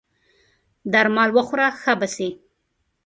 درمل وخوره ښه به سې!